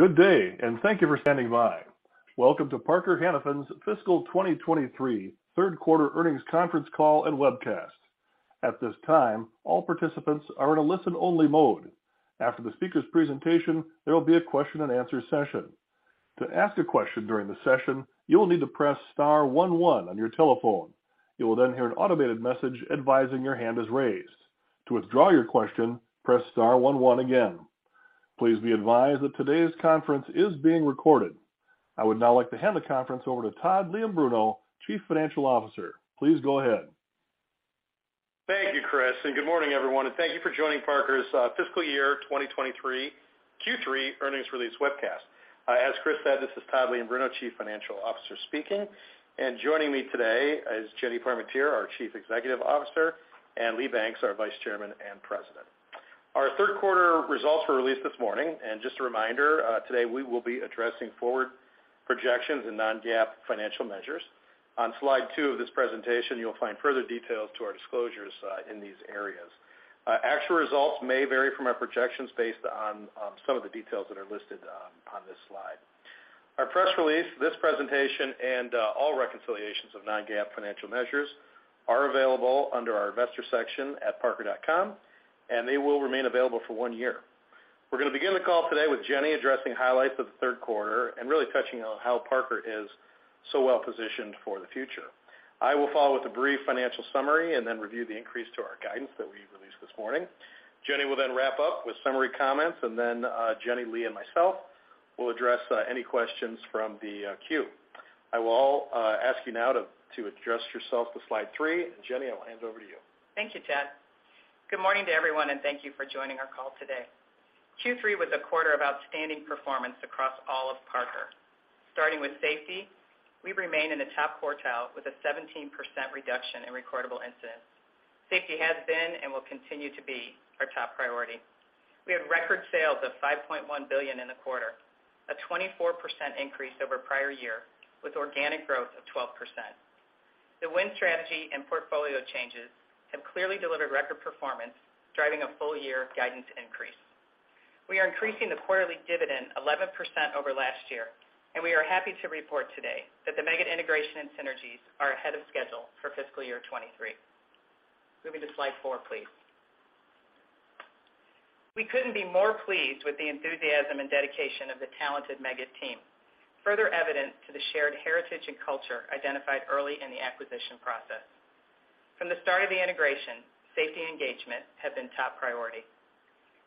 Good day, and thank you for standing by. Welcome to Parker-Hannifin's Fiscal 2023 Third Quarter Earnings Conference Call and Webcast. At this time, all participants are in a listen-only mode. After the speaker's presentation, there will be a question-and-answer session. To ask a question during the session, you will need to press star one one on your telephone. You will then hear an automated message advising your hand is raised. To withdraw your question, press star one one again. Please be advised that today's conference is being recorded. I would now like to hand the conference over to Todd Leombruno, Chief Financial Officer. Please go ahead. Thank you, Chris, good morning, everyone, and thank you for joining Parker's fiscal year 2023 Q3 earnings release webcast. As Chris said, this is Todd Leombruno, Chief Financial Officer speaking, and joining me today is Jennifer Parmentier, our Chief Executive Officer, and Lee Banks, our Vice Chairman and President. Our third quarter results were released this morning, and just a reminder, today we will be addressing forward projections and non-GAAP financial measures. On slide 2 of this presentation, you'll find further details to our disclosures in these areas. Actual results may vary from our projections based on some of the details that are listed on this slide. Our press release, this presentation, and all reconciliations of non-GAAP financial measures are available under our investor section at parker.com, and they will remain available for 1 year. We're gonna begin the call today with Jenny addressing highlights of the third quarter and really touching on how Parker is so well-positioned for the future. I will follow with a brief financial summary and then review the increase to our guidance that we released this morning. Jenny will then wrap up with summary comments, and then Jenny, Lee, and myself will address any questions from the queue. I will ask you now to adjust yourself to slide three. Jenny, I will hand it over to you. Thank you, Todd. Good morning to everyone, thank you for joining our call today. Q3 was a quarter of outstanding performance across all of Parker. Starting with safety, we remain in the top quartile with a 17% reduction in recordable incidents. Safety has been and will continue to be our top priority. We had record sales of $5.1 billion in the quarter, a 24% increase over prior-year, with organic growth of 12%. The Win Strategy and portfolio changes have clearly delivered record performance, driving a full-year guidance increase. We are increasing the quarterly dividend 11% over last year, we are happy to report today that the Meggitt integration and synergies are ahead of schedule for fiscal year 2023. Moving to slide 4, please. We couldn't be more pleased with the enthusiasm and dedication of the talented Meggitt team, further evidence to the shared heritage and culture identified early in the acquisition process. From the start of the integration, safety and engagement have been top priority.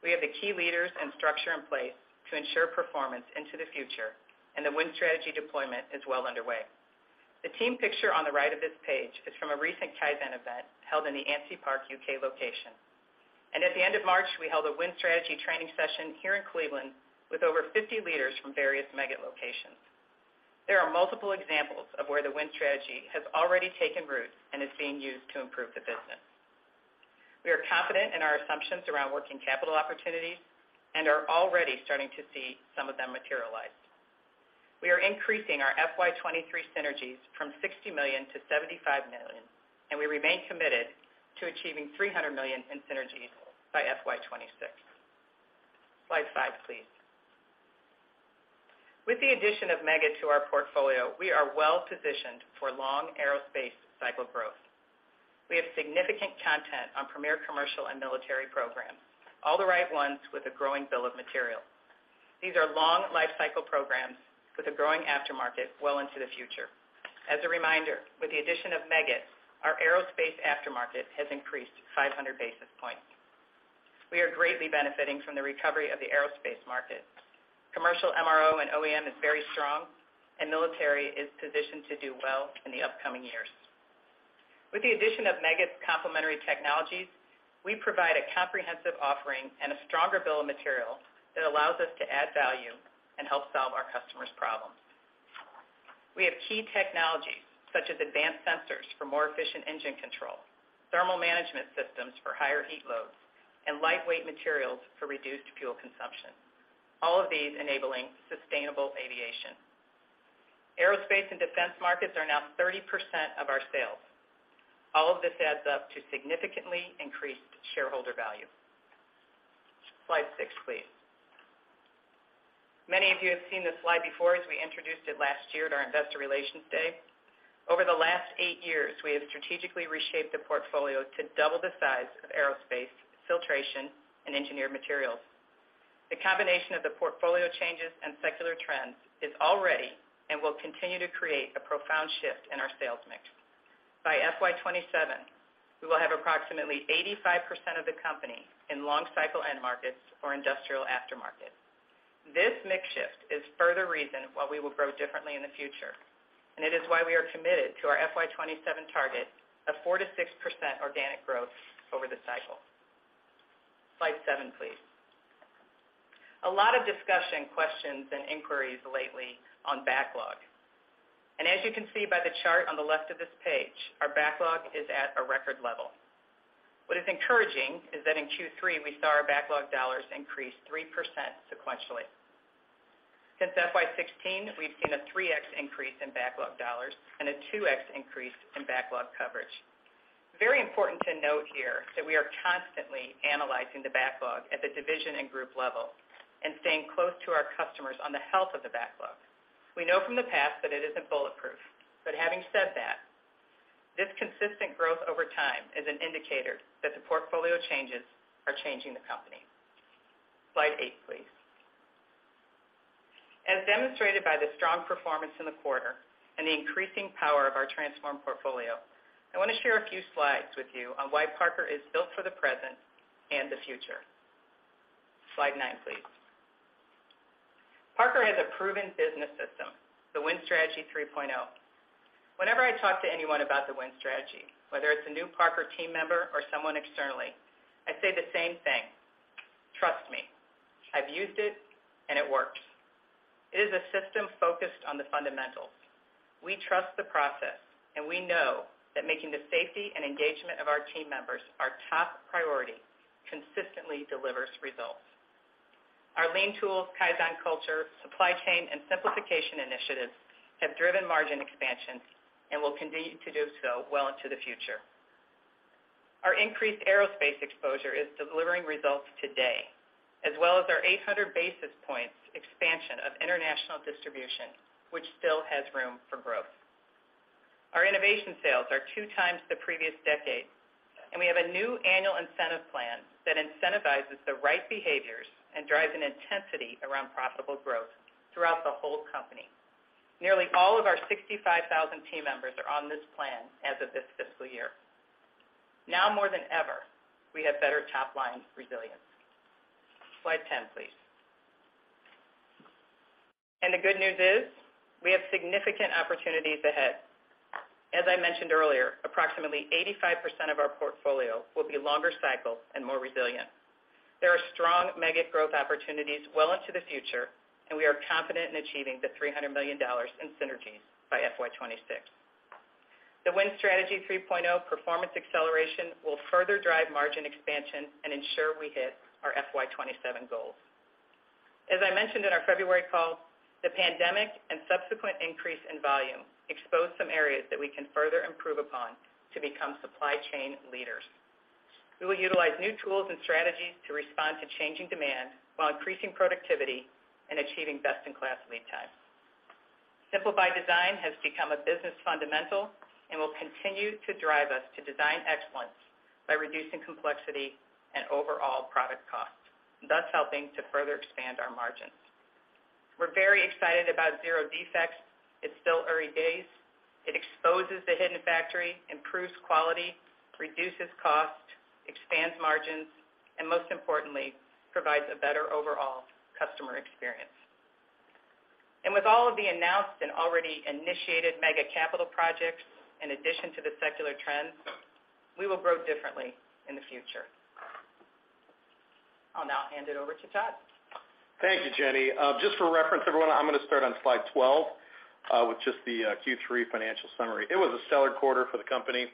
We have the key leaders and structure in place to ensure performance into the future, and the Win Strategy deployment is well underway. The team picture on the right of this page is from a recent Kaizen event held in the Ansty Park UK location. At the end of March, we held a Win Strategy training session here in Cleveland with over 50 leaders from various Meggitt locations. There are multiple examples of where the Win Strategy has already taken root and is being used to improve the business. We are confident in our assumptions around working capital opportunities and are already starting to see some of them materialize. We are increasing our FY 2023 synergies from $60 million-$75 million. We remain committed to achieving $300 million in synergies by FY 2026. Slide 5, please. With the addition of Meggitt to our portfolio, we are well-positioned for long aerospace cycle growth. We have significant content on premier commercial and military programs, all the right ones with a growing bill of material. These are long lifecycle programs with a growing aftermarket well into the future. As a reminder, with the addition of Meggitt, our aerospace aftermarket has increased 500 basis points. We are greatly benefiting from the recovery of the aerospace market. Commercial MRO and OEM is very strong. Military is positioned to do well in the upcoming years. With the addition of Meggitt's complementary technologies, we provide a comprehensive offering and a stronger bill of material that allows us to add value and help solve our customers' problems. We have key technologies, such as advanced sensors for more efficient engine control, thermal management systems for higher heat loads, and lightweight materials for reduced fuel consumption, all of these enabling sustainable aviation. Aerospace and defense markets are now 30% of our sales. All of this adds up to significantly increased shareholder value. Slide 6, please. Many of you have seen this slide before as we introduced it last year at our Investor Relations Day. Over the last 8 years, we have strategically reshaped the portfolio to double the size of Aerospace, filtration, and Engineered Materials. The combination of the portfolio changes and secular trends is already and will continue to create a profound shift in our sales mix. By FY 27, we will have approximately 85% of the company in long cycle end markets or industrial aftermarket. This mix shift is further reason why we will grow differently in the future. It is why we are committed to our FY 27 target of 4%-6% organic growth over the cycle. Slide 7, please. A lot of discussion, questions, and inquiries lately on backlog. As you can see by the chart on the left of this page, our backlog is at a record level. What is encouraging is that in Q3, we saw our backlog dollars increase 3% sequentially. Since FY 2016, we've seen a 3x increase in backlog dollars and a 2x increase in backlog coverage. Very important to note here that we are constantly analyzing the backlog at the division and group level and staying close to our customers on the health of the backlog. We know from the past that it isn't bulletproof. Having said that, this consistent growth over time is an indicator that the portfolio changes are changing the company. Slide 8, please. As demonstrated by the strong performance in the quarter and the increasing power of our transformed portfolio, I wanna share a few slides with you on why Parker is built for the present and the future. Slide 9, please. Parker has a proven business system, the Win Strategy 3.0. Whenever I talk to anyone about the Win Strategy, whether it's a new Parker team member or someone externally, I say the same thing: trust me, I've used it, and it works. It is a system focused on the fundamentals. We trust the process, and we know that making the safety and engagement of our team members our top priority consistently delivers results. Our lean tools, Kaizen culture, supply chain, and simplification initiatives have driven margin expansions and will continue to do so well into the future. Our increased aerospace exposure is delivering results today, as well as our 800 basis points expansion of international distribution, which still has room for growth. Our innovation sales are 2 times the previous decade, and we have a new annual incentive plan that incentivizes the right behaviors and drives an intensity around profitable growth throughout the whole company. Nearly all of our 65,000 team members are on this plan as of this fiscal year. Now more than ever, we have better top-line resilience. Slide 10, please. The good news is we have significant opportunities ahead. As I mentioned earlier, approximately 85% of our portfolio will be longer cycle and more resilient. There are strong Meggitt growth opportunities well into the future, and we are confident in achieving the $300 million in synergies by FY 2026. The Win Strategy 3.0 performance acceleration will further drive margin expansion and ensure we hit our FY 2027 goals. As I mentioned in our February call, the pandemic and subsequent increase in volume exposed some areas that we can further improve upon to become supply chain leaders. We will utilize new tools and strategies to respond to changing demand while increasing productivity and achieving best-in-class lead times. Simple by Design has become a business fundamental and will continue to drive us to design excellence by reducing complexity and overall product cost, thus helping to further expand our margins. We're very excited about Zero Defects. It's still early days. It exposes the hidden factory, improves quality, reduces cost, expands margins, and most importantly, provides a better overall customer experience. With all of the announced and already initiated mega capital projects, in addition to the secular trends, we will grow differently in the future. I'll now hand it over to Todd. Thank you, Jenny. Just for reference, everyone, I'm gonna start on slide 12 with just the Q3 financial summary. It was a stellar quarter for the company.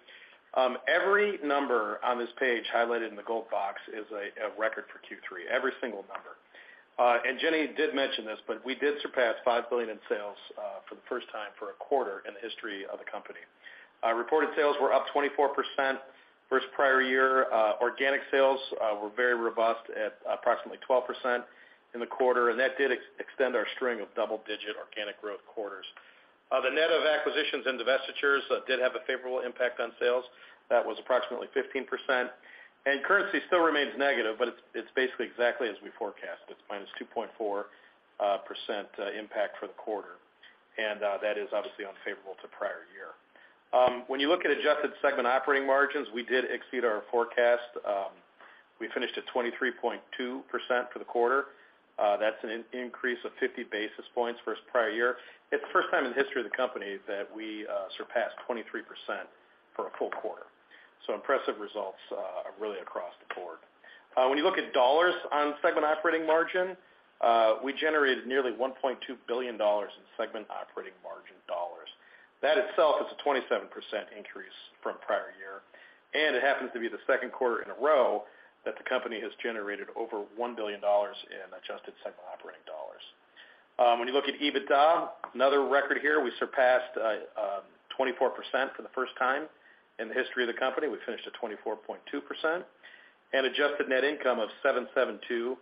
Every number on this page highlighted in the gold box is a record for Q3, every single number. Jenny did mention this, but we did surpass $5 billion in sales for the first time for a quarter in the history of the company. Reported sales were up 24% versus prior year. Organic sales were very robust at approximately 12% in the quarter, and that did extend our string of double-digit organic growth quarters. The net of acquisitions and divestitures did have a favorable impact on sales. That was approximately 15%. Currency still remains negative, but it's basically exactly as we forecast. It's minus 2.4% impact for the quarter, that is obviously unfavorable to prior year. When you look at adjusted segment operating margins, we did exceed our forecast. We finished at 23.2% for the quarter. That's an increase of 50 basis points versus prior year. It's the first time in the history of the company that we surpassed 23% for a full quarter. Impressive results really across the board. When you look at dollars on segment operating margin, we generated nearly $1.2 billion in segment operating margin dollars. That itself is a 27% increase from prior year, it happens to be the second quarter in a row that the company has generated over $1 billion in adjusted segment operating dollars. When you look at EBITDA, another record here, we surpassed 24% for the first time in the history of the company. We finished at 24.2%. Adjusted net income of $772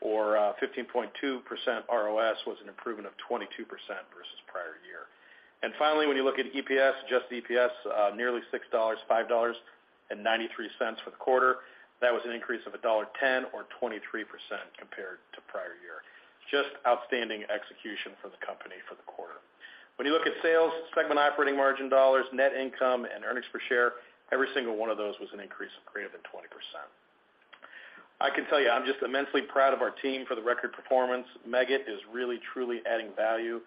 or 15.2% ROS was an improvement of 22% versus prior year. Finally, when you look at EPS, adjusted EPS, nearly $6, $5.93 for the quarter. That was an increase of $1.10 or 23% compared to prior year. Just outstanding execution for the company for the quarter. When you look at sales, segment operating margin dollars, net income, and earnings per share, every single one of those was an increase of greater than 20%. I can tell you, I'm just immensely proud of our team for the record performance. Meggitt is really truly adding value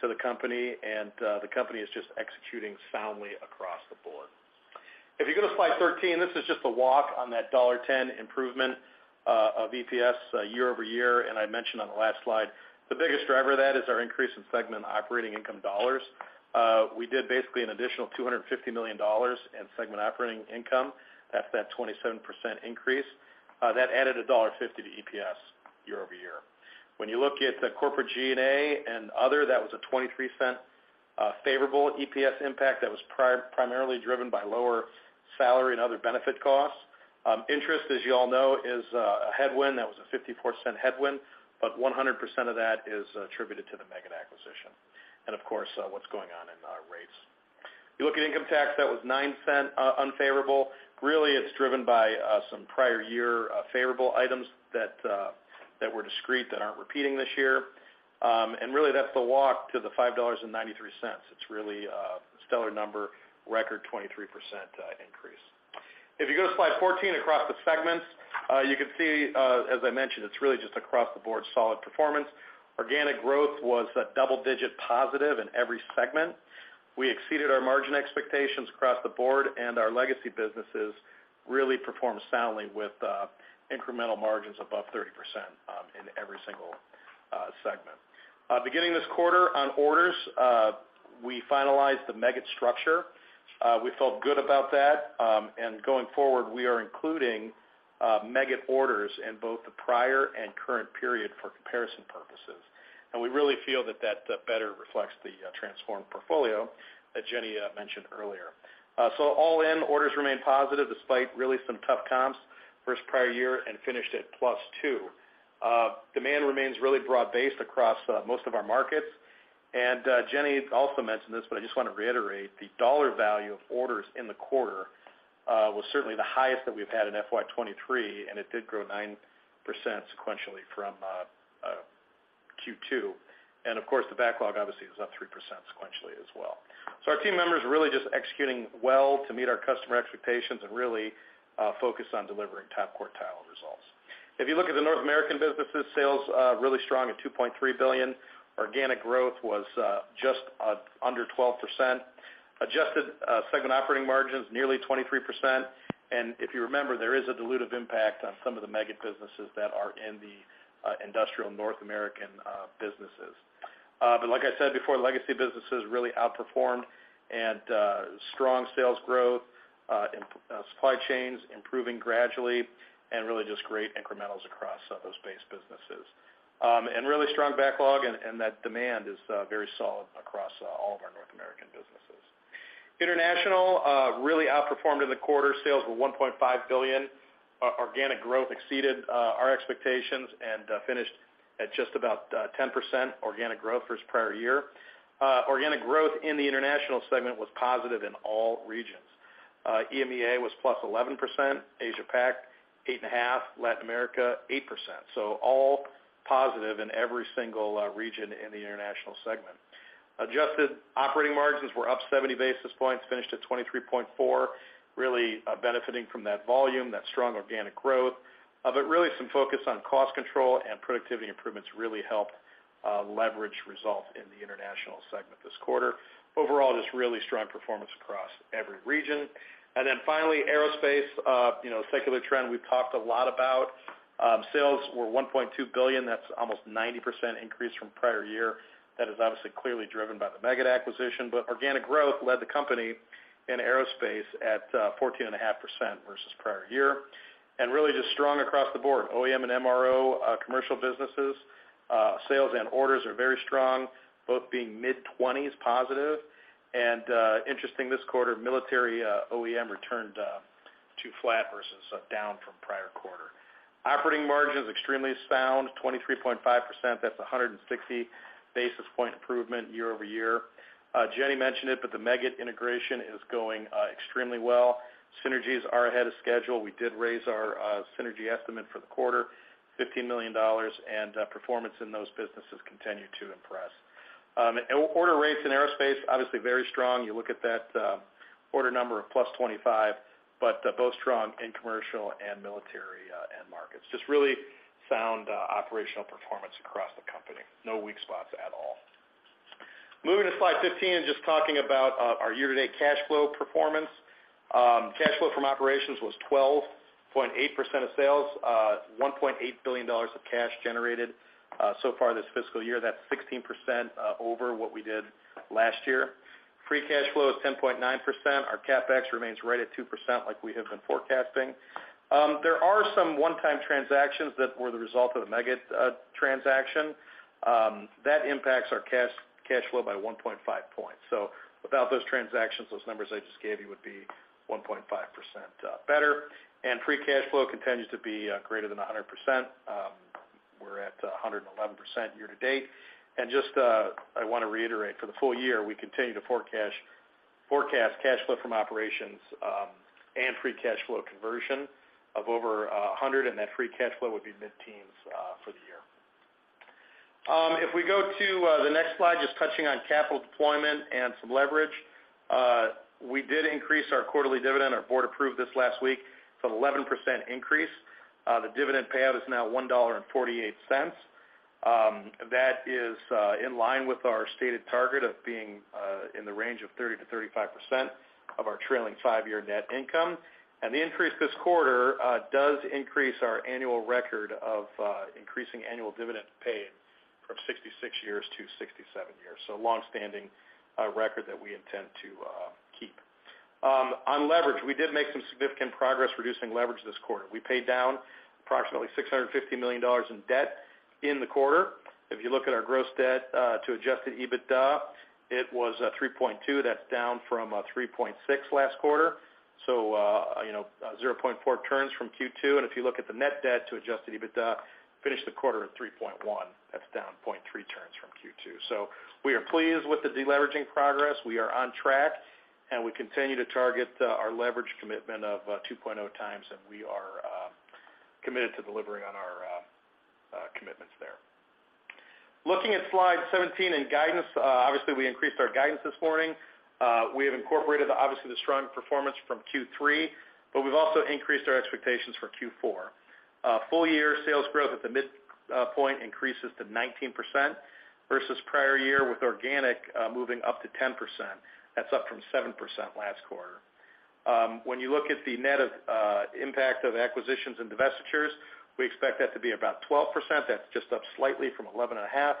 to the company, the company is just executing soundly across the board. If you go to slide 13, this is just the walk on that $1.10 improvement of EPS year-over-year, and I mentioned on the last slide, the biggest driver of that is our increase in segment operating income dollars. We did basically an additional $250 million in segment operating income. That's that 27% increase. That added a $1.50 to EPS year-over-year. When you look at the corporate G&A and other, that was a $0.23 favorable EPS impact that was primarily driven by lower salary and other benefit costs. interest, as you all know, is a headwind. That was a $0.54 headwind. 100% of that is attributed to the Meggitt acquisition and, of course, what's going on in rates. If you look at income tax, that was $0.09 unfavorable. Really, it's driven by some prior year favorable items that were discrete that aren't repeating this year. Really that's the walk to the $5.93. It's really a stellar number, record 23% increase. If you go to slide 14, across the segments, you can see, as I mentioned, it's really just across the board solid performance. Organic growth was a double-digit positive in every segment. We exceeded our margin expectations across the board, and our legacy businesses really performed soundly with incremental margins above 30% in every single segment. Beginning this quarter on orders, we finalized the Meggitt structure. We felt good about that. Going forward, we are including Meggitt orders in both the prior and current period for comparison purposes. We really feel that that better reflects the transformed portfolio that Jenny mentioned earlier. All in, orders remain positive despite really some tough comps versus prior year and finished at +2%. Demand remains really broad-based across most of our markets. Jenny also mentioned this, but I just want to reiterate, the dollar value of orders in the quarter was certainly the highest that we've had in FY 2023, and it did grow 9% sequentially from Q2. Of course, the backlog obviously is up 3% sequentially as well. Our team members are really just executing well to meet our customer expectations and really focus on delivering top quartile results. If you look at the North American businesses, sales really strong at $2.3 billion. Organic growth was just under 12%. Adjusted segment operating margins nearly 23%. If you remember, there is a dilutive impact on some of the Meggitt businesses that are in the industrial North American businesses. Like I said before, legacy businesses really outperformed and strong sales growth and supply chains improving gradually and really just great incrementals across those base businesses. Really strong backlog and that demand is very solid across all of our North American businesses. International really outperformed in the quarter. Sales were $1.5 billion. Organic growth exceeded our expectations and finished at just about 10% organic growth versus prior year. Organic growth in the international segment was positive in all regions. EMEA was +11%, Asia Pac 8.5%, Latin America 8%. All positive in every single region in the international segment. Adjusted operating margins were up 70 basis points, finished at 23.4%, really benefiting from that volume, that strong organic growth. Really some focus on cost control and productivity improvements really helped leverage results in the international segment this quarter. Overall, just really strong performance across every region. Finally, aerospace, you know, secular trend we've talked a lot about. Sales were $1.2 billion. That's almost 90% increase from prior year. That is obviously clearly driven by the Meggitt acquisition. Organic growth led the company in aerospace at 14.5% versus prior year, really just strong across the board. OEM and MRO commercial businesses, sales and orders are very strong, both being mid-20s positive. Interesting this quarter, military OEM returned to flat versus down from prior quarter. Operating margins extremely sound, 23.5%. That's 160 basis point improvement year-over-year. Jenny mentioned it, the Meggitt integration is going extremely well. Synergies are ahead of schedule. We did raise our synergy estimate for the quarter, $15 million, performance in those businesses continue to impress. Order rates in aerospace, obviously very strong. You look at that order number of +25, both strong in commercial and military end markets. Just really sound operational performance across the company. No weak spots at all. Moving to Slide 15, just talking about our year-to-date cash flow performance. Cash flow from operations was 12.8% of sales, $1.8 billion of cash generated so far this fiscal year. That's 16% over what we did last year. Free cash flow is 10.9%. Our CapEx remains right at 2% like we have been forecasting. There are some one-time transactions that were the result of the Meggitt transaction. That impacts our cash flow by 1.5 points. Without those transactions, those numbers I just gave you would be 1.5% better. Free cash flow continues to be greater than 100%. We're at 111% year-to-date. Just, I want to reiterate, for the full year, we continue to forecast cash flow from operations, and free cash flow conversion of over 100, and that free cash flow would be mid-teens for the year. If we go to the next slide, just touching on capital deployment and some leverage. We did increase our quarterly dividend. Our board approved this last week. It's an 11% increase. The dividend payout is now $1.48. That is in line with our stated target of being in the range of 30%-35% of our trailing five-year net income. The increase this quarter does increase our annual record of increasing annual dividend paid from 66 years to 67 years. Longstanding record that we intend to keep. On leverage, we did make some significant progress reducing leverage this quarter. We paid down approximately $650 million in debt in the quarter. If you look at our gross debt to adjusted EBITDA, it was 3.2. That's down from 3.6 last quarter, so you know 0.4 turns from Q2. If you look at the net debt to adjusted EBITDA, finished the quarter at 3.1. That's down 0.3 turns from Q2. We are pleased with the deleveraging progress. We are on track, and we continue to target our leverage commitment of 2.0 times, and we are committed to delivering on our commitments there. Looking at slide 17 in guidance, obviously, we increased our guidance this morning. We have incorporated, obviously, the strong performance from Q3, we've also increased our expectations for Q4. Full year sales growth at the mid point increases to 19% versus prior year with organic moving up to 10%. That's up from 7% last quarter. When you look at the net of impact of acquisitions and divestitures, we expect that to be about 12%. That's just up slightly from 11 and a half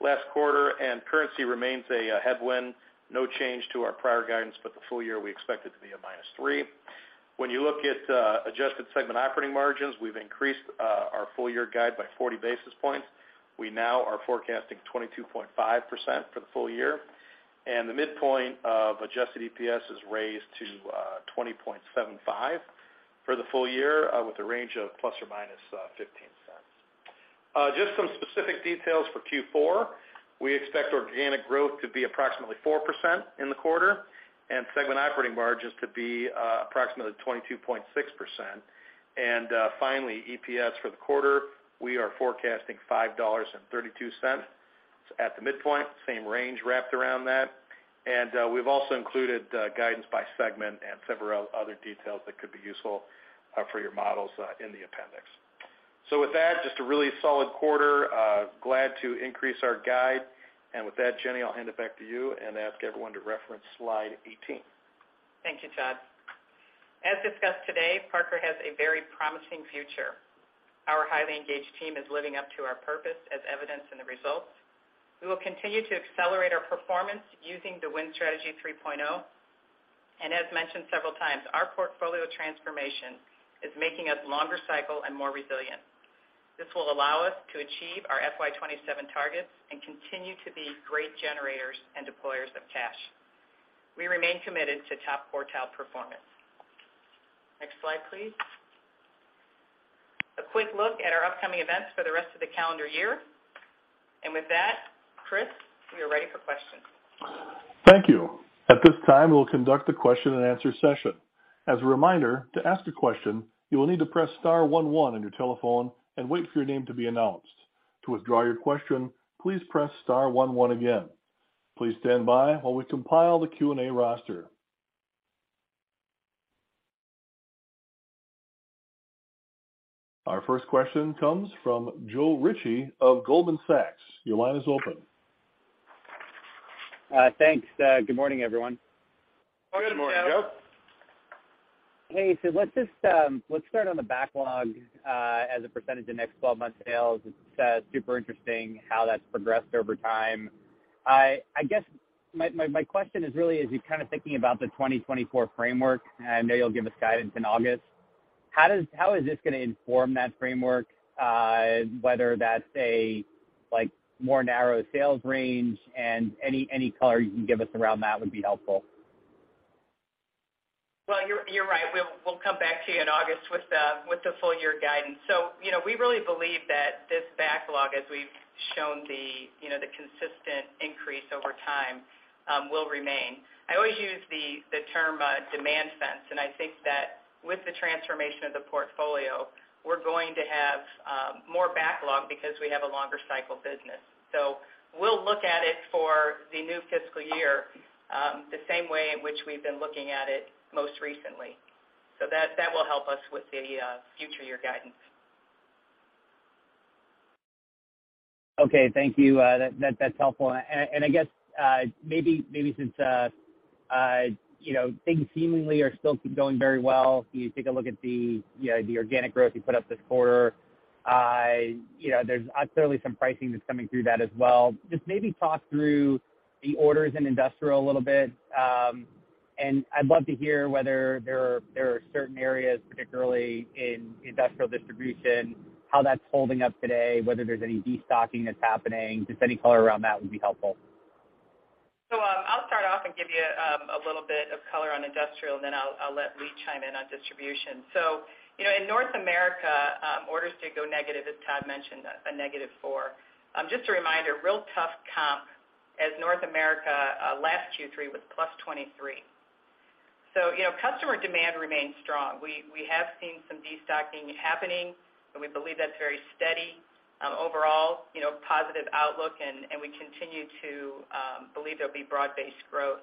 last quarter. Currency remains a headwind. No change to our prior guidance for the full year. We expect it to be a -3%. When you look at adjusted segment operating margins, we've increased our full year guide by 40 basis points. We now are forecasting 22.5% for the full year. The midpoint of adjusted EPS is raised to $20.75 for the full year, with a range of plus or minus $0.15. Just some specific details for Q4. We expect organic growth to be approximately 4% in the quarter and segment operating margins to be approximately 22.6%. Finally, EPS for the quarter, we are forecasting $5.32 at the midpoint. Same range wrapped around that. We've also included guidance by segment and several other details that could be useful for your models in the appendix. With that, just a really solid quarter. Glad to increase our guide. With that, Jenny, I'll hand it back to you and ask everyone to reference slide 18. Thank you, Todd. As discussed today, Parker has a very promising future. Our highly engaged team is living up to our purpose as evidenced in the results. We will continue to accelerate our performance using the Win Strategy 3.0. As mentioned several times, our portfolio transformation is making us longer cycle and more resilient. This will allow us to achieve our FY 2027 targets and continue to be great generators and deployers of cash. We remain committed to top quartile performance. Next slide, please. A quick look at our upcoming events for the rest of the calendar year. With that, Chris, we are ready for questions. Thank you. At this time, we'll conduct the question-and-answer session. As a reminder, to ask a question, you will need to press star one one on your telephone and wait for your name to be announced. To withdraw your question, please press star one one again. Please stand by while we compile the Q&A roster. Our first question comes from Joe Ritchie of Goldman Sachs. Your line is open. Thanks. Good morning, everyone. Good morning, Joe. Good morning. Hey. Let's just, let's start on the backlog as a percentage of next 12 months sales. It's super interesting how that's progressed over time. I guess my question is really as you're kind of thinking about the 2024 framework, I know you'll give us guidance in August, how is this gonna inform that framework? Whether that's a, like, more narrow sales range. Any, any color you can give us around that would be helpful. You're right. We'll come back to you in August with the, with the full year guidance. You know, we really believe that this backlog, as we've shown the, you know, the consistent increase over time, will remain. I always use the term, demand sense, and I think that with the transformation of the portfolio, we're going to have more backlog because we have a longer cycle business. We'll look at it for the new fiscal year, the same way in which we've been looking at it most recently. That will help us with the future year guidance. Okay. Thank you. That's helpful. I guess, maybe since, you know, things seemingly are still going very well, you take a look at the, you know, the organic growth you put up this quarter, you know, there's clearly some pricing that's coming through that as well. Just maybe talk through the orders in industrial a little bit. I'd love to hear whether there are certain areas, particularly in industrial distribution, how that's holding up today, whether there's any destocking that's happening. Just any color around that would be helpful. I'll start off and give you a little bit of color on industrial, and then I'll let Lee chime in on distribution. You know, in North America, orders did go negative, as Todd mentioned, a -4. Just a reminder, real tough comp as North America last Q3 was +23. You know, customer demand remains strong. We have seen some destocking happening, but we believe that's very steady, overall, you know, positive outlook, and we continue to believe there'll be broad-based growth.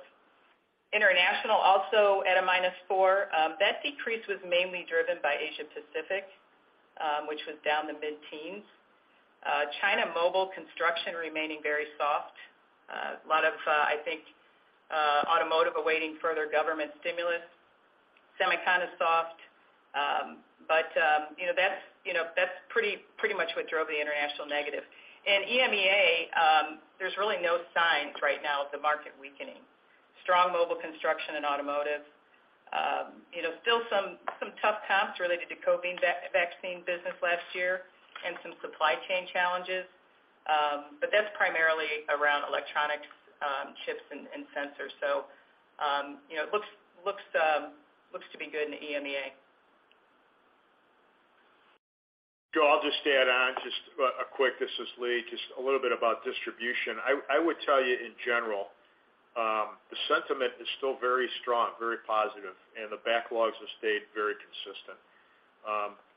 International also at a -4. That decrease was mainly driven by Asia Pacific, which was down the mid-teens. China mobile construction remaining very soft. A lot of, I think, automotive awaiting further government stimulus. Semicon is soft. You know, that's, you know, that's pretty much what drove the international negative. In EMEA, there's really no signs right now of the market weakening. Strong mobile construction and automotive. You know, still some tough comps related to COVID vaccine business last year and some supply chain challenges. That's primarily around electronics, chips and sensors. You know, it looks to be good in the EMEA. Joe, I'll just add on just a quick. This is Lee. Just a little bit about distribution. I would tell you, in general, the sentiment is still very strong, very positive, and the backlogs have stayed very consistent.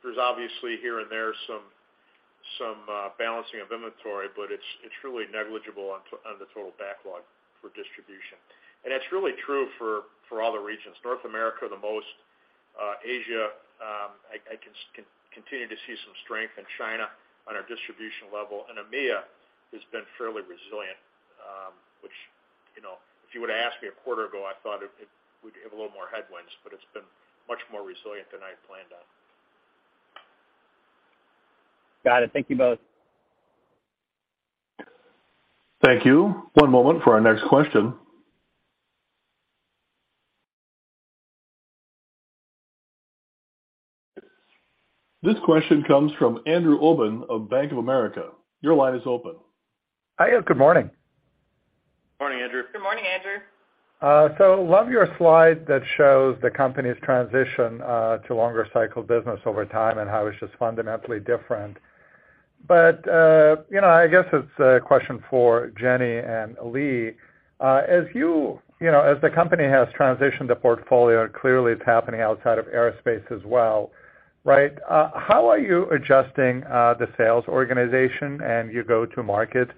There's obviously here and there some balancing of inventory, but it's really negligible on the total backlog for distribution. That's really true for all the regions. North America the most. Asia, I can continue to see some strength in China on our distribution level. EMEA has been fairly resilient, which, you know, if you would've asked me a quarter ago, I thought we'd have a little more headwinds, but it's been much more resilient than I had planned on. Got it. Thank you both. Thank you. One moment for our next question. This question comes from Andrew Obin of Bank of America. Your line is open. Hi, good morning. Morning, Andrew. Good morning, Andrew. Love your slide that shows the company's transition to longer cycle business over time and how it's just fundamentally different. You know, I guess it's a question for Jenny and Lee. As you know, as the company has transitioned the portfolio, and clearly it's happening outside of Aerospace as well, right? How are you adjusting the sales organization and you go to market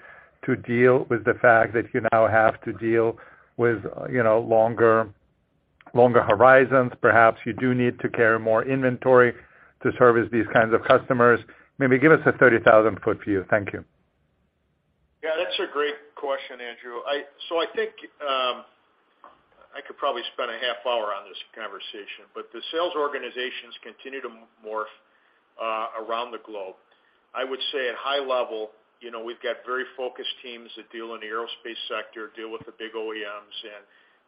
to deal with the fact that you now have to deal with, you know, longer horizons, perhaps you do need to carry more inventory to service these kinds of customers. Maybe give us a 30,000-foot view. Thank you. Yeah, that's a great question, Andrew. I think I could probably spend a half hour on this conversation, but the sales organizations continue to morph around the globe. I would say at high level, you know, we've got very focused teams that deal in the aerospace sector, deal with the big OEMs and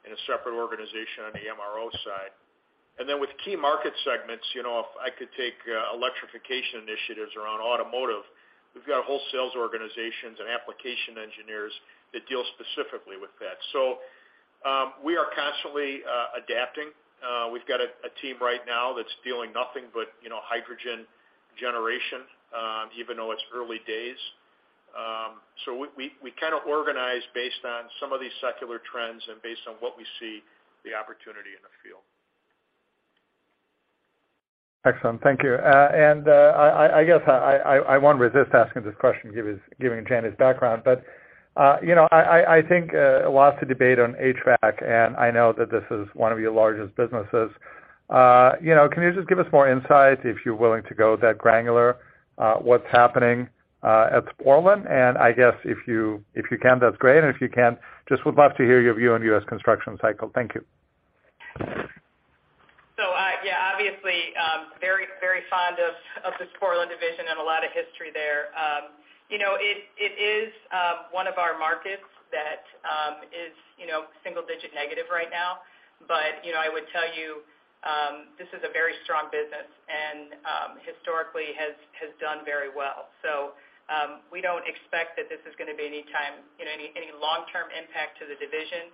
in a separate organization on the MRO side. With key market segments, you know, if I could take electrification initiatives around automotive, we've got whole sales organizations and application engineers that deal specifically with that. We are constantly adapting. We've got a team right now that's dealing nothing but, you know, hydrogen generation, even though it's early days. So we kind of organize based on some of these secular trends and based on what we see the opportunity in the field. Excellent. Thank you. I guess I won't resist asking this question given Jenny's background. you know, I think lots of debate on HVACR, and I know that this is one of your largest businesses. you know, can you just give us more insight, if you're willing to go that granular, what's happening at Portland? I guess if you can, that's great. If you can't, just would love to hear your view on U.S. construction cycle. Thank you. Yeah, obviously, very, very fond of the Portland Division and a lot of history there. You know, it is, one of our markets that, is, you know, single-digit negative right now. You know, I would tell you, this is a very strong business and, historically has done very well. We don't expect that this is gonna be any time, you know, any long-term impact to the Division,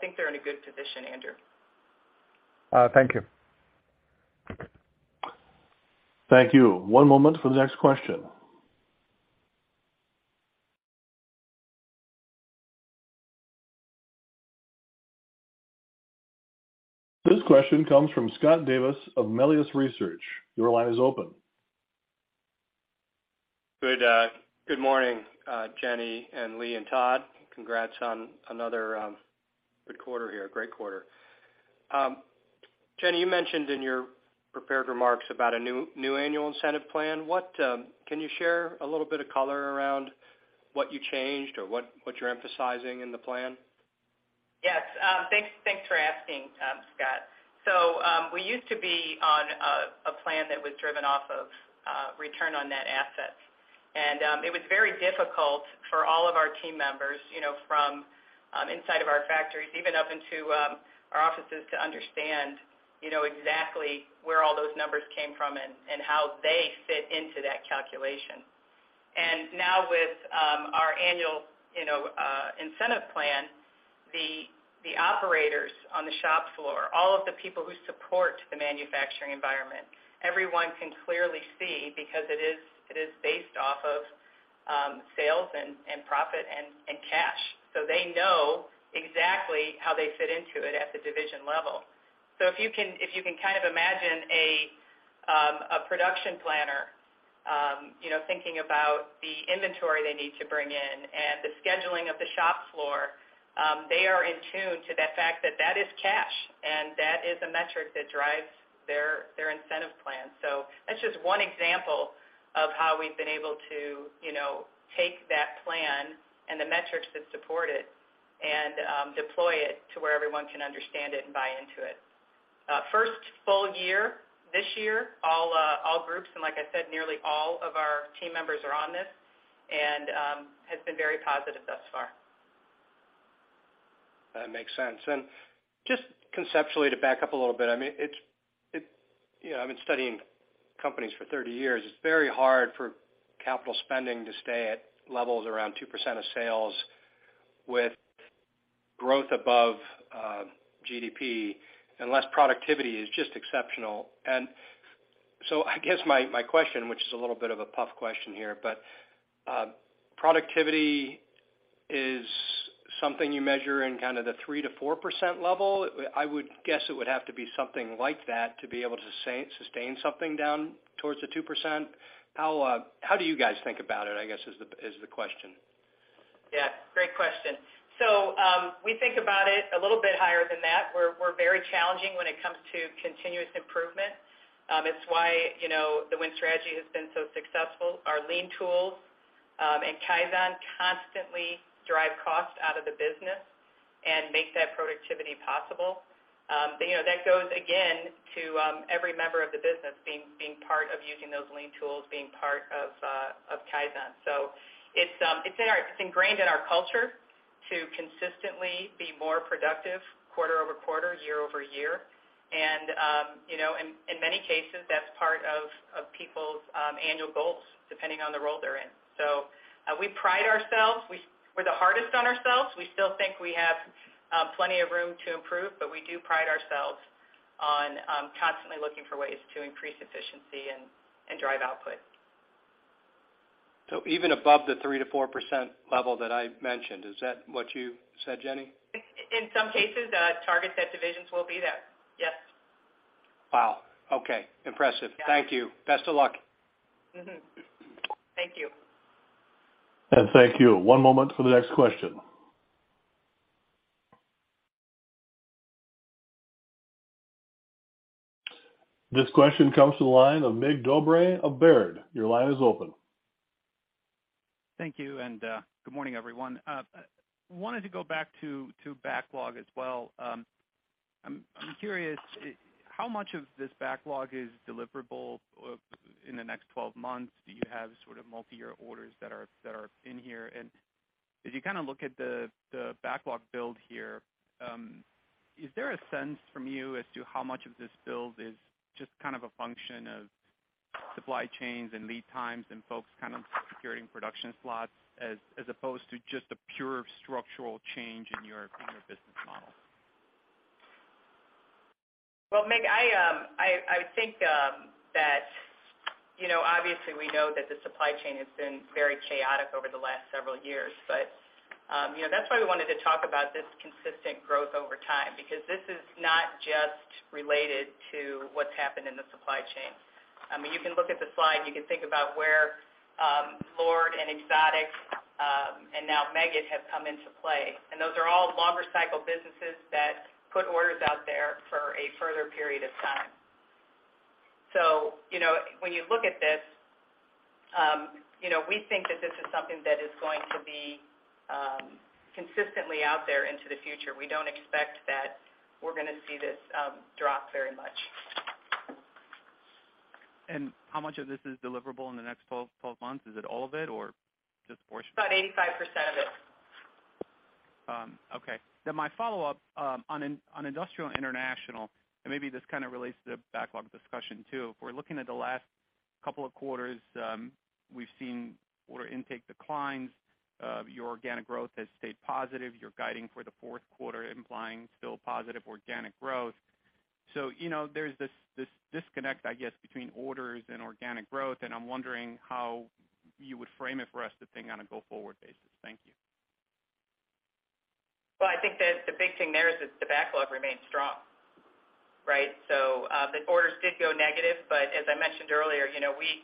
think they're in a good position, Andrew. Thank you. Thank you. One moment for the next question. This question comes from Scott Davis of Melius Research. Your line is open. Good morning, Jenny and Lee and Todd. Congrats on another good quarter here. Great quarter. Jenny, you mentioned in your prepared remarks about a new annual incentive plan. What can you share a little bit of color around what you changed or what you're emphasizing in the plan? Yes. Thanks for asking, Scott. We used to be on a plan that was driven off of Return on Net Assets. It was very difficult for all of our team members, you know, from inside of our factories, even up into our offices to understand, you know, exactly where all those numbers came from and how they fit into that calculation. Now with our annual, you know, incentive plan, the operators on the shop floor, all of the people who support the manufacturing environment, everyone can clearly see because it is based off of sales and profit and cash. They know exactly how they fit into it at the division level. If you can kind of imagine a production planner, you know, thinking about the inventory they need to bring in and the scheduling of the shop floor, they are in tune to the fact that that is cash, and that is a metric that drives their incentive plan. That's just one example of how we've been able to, you know, take that plan and the metrics that support it and deploy it to where everyone can understand it and buy into it. First full year, this year, all groups, and like I said, nearly all of our team members are on this and has been very positive thus far. That makes sense. Just conceptually, to back up a little bit, I mean, You know, I've been studying companies for 30 years. It's very hard for capital spending to stay at levels around 2% of sales with growth above GDP unless productivity is just exceptional. I guess my question, which is a little bit of a puff question here, but productivity is something you measure in kind of the 3%-4% level. I would guess it would have to be something like that to be able to sustain something down towards the 2%. How do you guys think about it, I guess, is the question. Yeah, great question. We think about it a little bit higher than that. We're very challenging when it comes to continuous improvement. It's why, you know, the Win Strategy has been so successful. Our lean tools, and Kaizen constantly drive cost out of the business and make that productivity possible. You know, that goes again to every member of the business being part of using those lean tools, being part of Kaizen. It's ingrained in our culture to consistently be more productive quarter-over-quarter, year-over-year. You know, in many cases, that's part of people's annual goals, depending on the role they're in. We pride ourselves. We're the hardest on ourselves. We still think we have plenty of room to improve, but we do pride ourselves on constantly looking for ways to increase efficiency and drive output. even above the 3%-4% level that I mentioned, is that what you said, Jenny? In some cases, targets at divisions will be there. Yes. Wow. Okay. Impressive. Yeah. Thank you. Best of luck. Mm-hmm. Thank you. Thank you. One moment for the next question. This question comes from the line of Mircea Dobre of Baird. Your line is open. Thank you, good morning, everyone. I wanted to go back to backlog as well. I'm curious, how much of this backlog is deliverable in the next 12 months? Do you have sort of multi-year orders that are in here? As you kind of look at the backlog build here, is there a sense from you as to how much of this build is just kind of a function of supply chains and lead times and folks kind of securing production slots as opposed to just a pure structural change in your business model? Well, Mircea, I think, that, you know, obviously we know that the supply chain has been very chaotic over the last several years. You know, that's why we wanted to talk about this consistent growth over time, because this is not just related to what's happened in the supply chain. I mean, you can look at the slide, you can think about where, LORD and Exotic, and now Meggitt have come into play. Those are all longer cycle businesses that put orders out there for a further period of time. You know, when you look at this, you know, we think that this is something that is going to be, consistently out there into the future. We don't expect that we're gonna see this, drop very much. How much of this is deliverable in the next 12 months? Is it all of it or just a portion? About 85% of it. Okay. My follow-up, on Industrial International, and maybe this kind of relates to the backlog discussion too. If we're looking at the last couple of quarters, we've seen order intake declines. Your organic growth has stayed positive. You're guiding for the fourth quarter, implying still positive organic growth. You know, there's this disconnect, I guess, between orders and organic growth, and I'm wondering how you would frame it for us to think on a go-forward basis. Thank you. I think that the big thing there is that the backlog remains strong, right? The orders did go negative, but as I mentioned earlier, you know, we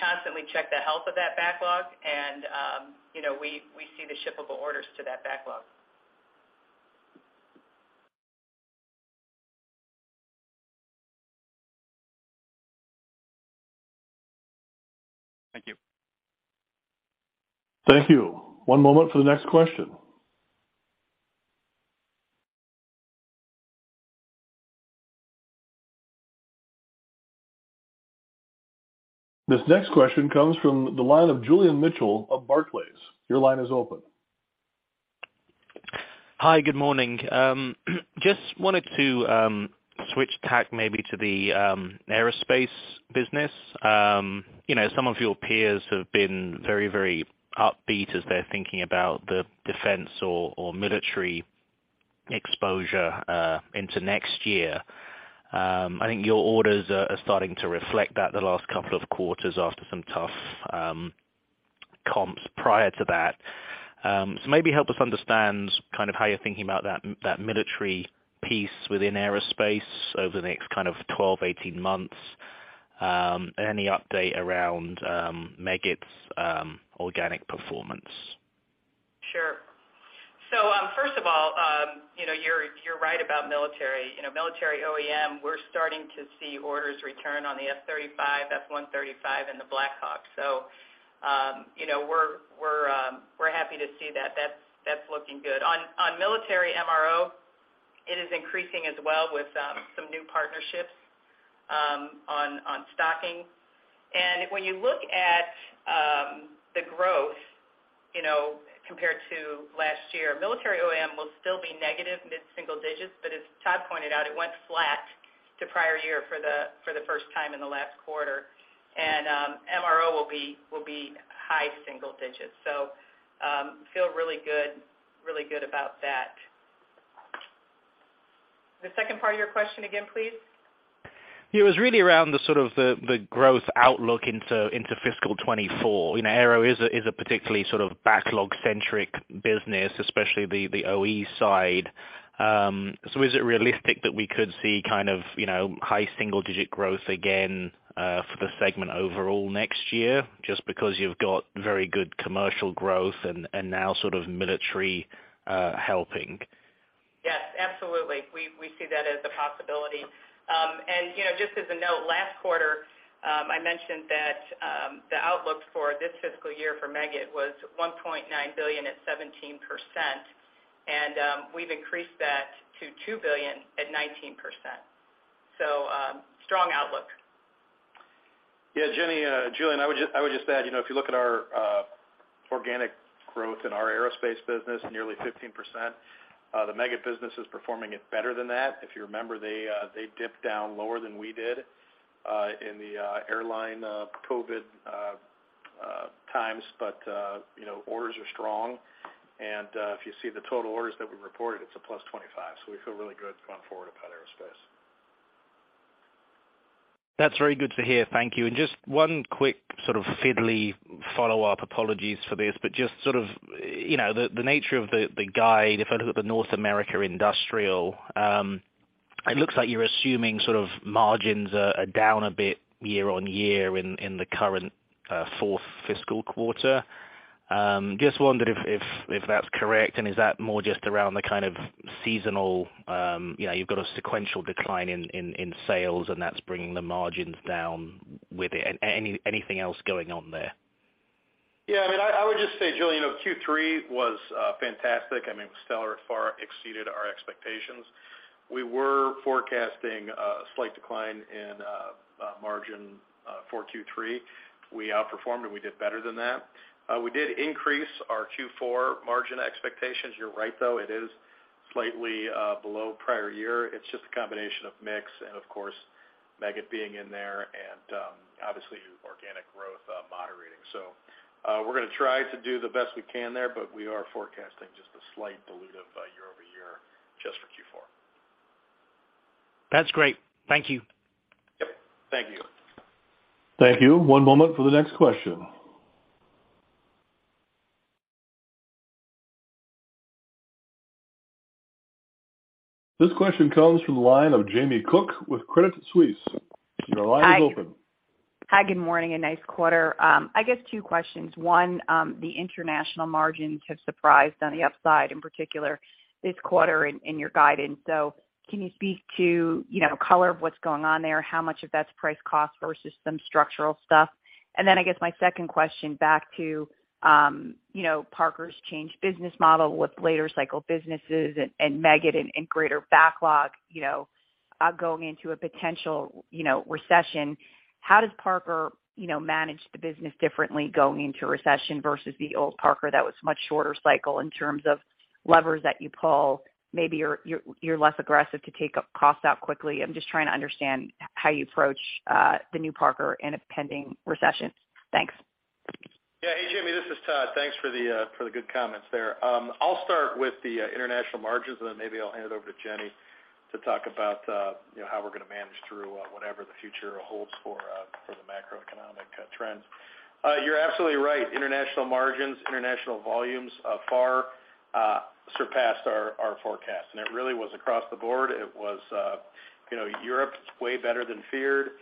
constantly check the health of that backlog and, you know, we see the shippable orders to that backlog. Thank you. Thank you. One moment for the next question. This next question comes from the line of Julian Mitchell of Barclays. Your line is open. Hi, good morning. Just wanted to switch tack maybe to the aerospace business. You know, some of your peers have been very, very upbeat as they're thinking about the defense or military exposure into next year. I think your orders are starting to reflect that the last couple of quarters after some tough comps prior to that. Maybe help us understand kind of how you're thinking about that military piece within aerospace over the next kind of 12, 18 months. Any update around Meggitt's organic performance? You know, you're right about military. You know, military OEM, we're starting to see orders return on the F-35, F135, and the Black Hawk. You know, we're happy to see that. That's looking good. On military MRO, it is increasing as well with some new partnerships on stocking. When you look at the growth, you know, compared to last year, military OEM will still be negative mid-single digits, but as Todd pointed out, it went flat to prior year for the first time in the last quarter. MRO will be high single digits. Feel really good about that. The second part of your question again, please? Yeah. It was really around the sort of the growth outlook into fiscal 2024. You know, Aero is a, is a particularly sort of backlog-centric business, especially the OE side. Is it realistic that we could see kind of, you know, high-single-digit growth again, for the segment overall next year, just because you've got very good commercial growth and now sort of military, helping? Yes, absolutely. We see that as a possibility. You know, just as a note, last quarter, I mentioned that the outlook for this fiscal year for Meggitt was $1.9 billion at 17%. We've increased that to $2 billion at 19%. Strong outlook. Yeah, Jenny, Julian, I would just add, you know, if you look at our organic growth in our aerospace business, nearly 15%, the Meggitt business is performing it better than that. If you remember, they dipped down lower than we did in the airline COVID times. Orders are strong, and if you see the total orders that we reported, it's a +25, so we feel really good going forward about aerospace. That's very good to hear. Thank you. Just one quick sort of fiddly follow-up. Apologies for this, just sort of, you know, the nature of the guide, if I look at the North America Industrial, it looks like you're assuming sort of margins are down a bit year-on-year in the current fourth fiscal quarter. Just wondered if that's correct, and is that more just around the kind of seasonal, you know, you've got a sequential decline in sales, and that's bringing the margins down with it. Anything else going on there? I mean, I would just say, Julian, you know, Q3 was fantastic. I mean, it was stellar. It far exceeded our expectations. We were forecasting a slight decline in margin for Q3. We outperformed, and we did better than that. We did increase our Q4 margin expectations. You're right, though, it is slightly below prior year. It's just a combination of mix and, of course, Meggitt being in there and obviously organic growth moderating. We're gonna try to do the best we can there, but we are forecasting just a slight dilute of year-over-year just for Q4. That's great. Thank you. Yep. Thank you. Thank you. One moment for the next question. This question comes from the line of Jamie Cook with Credit Suisse. Your line is open. Hi, good morning and nice quarter. I guess two questions. One, the international margins have surprised on the upside in particular this quarter in your guidance. Can you speak to, you know, color of what's going on there, how much of that's price cost versus some structural stuff? I guess my second question back to, you know, Parker's changed business model with later cycle businesses and Meggitt and greater backlog, you know, going into a potential, you know, recession. How does Parker, you know, manage the business differently going into recession versus the old Parker that was much shorter cycle in terms of levers that you pull? Maybe you're less aggressive to take up costs out quickly. I'm just trying to understand how you approach the new Parker in a pending recession. Thanks. Yeah. Hey, Jamie, this is Todd. Thanks for the good comments there. I'll start with the international margins, and then maybe I'll hand it over to Jenny to talk about, you know, how we're gonna manage through whatever the future holds for the macroeconomic trends. You're absolutely right. International margins, international volumes, far surpassed our forecast, and it really was across the board. It was, you know, Europe, it's way better than feared.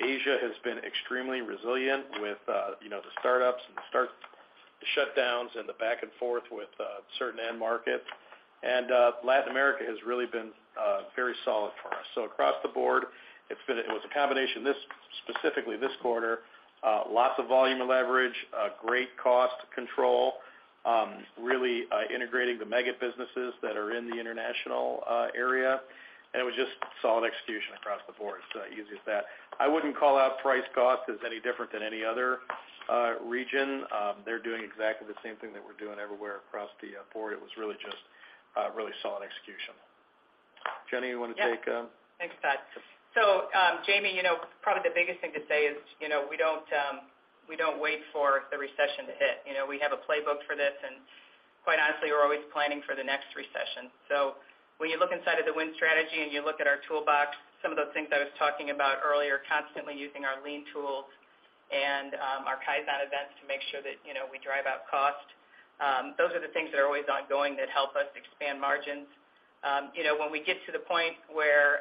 Asia has been extremely resilient with, you know, the startups and the shutdowns and the back and forth with certain end markets. Latin America has really been very solid for us. Across the board, It was a combination this, specifically this quarter, lots of volume leverage, a great cost control, really integrating the Meggitt businesses that are in the international area, and it was just solid execution across the board. It's easy as that. I wouldn't call out price cost as any different than any other region. They're doing exactly the same thing that we're doing everywhere across the board. It was really just really solid execution. Jenny, you wanna take? Thanks, Todd. Jamie, you know, probably the biggest thing to say is, you know, we don't, we don't wait for the recession to hit. You know, we have a playbook for this, and quite honestly, we're always planning for the next recession. When you look inside of the Win Strategy and you look at our toolbox, some of those things I was talking about earlier, constantly using our lean tools and our Kaizen events to make sure that, you know, we drive out cost, those are the things that are always ongoing that help us expand margins. You know, when we get to the point where,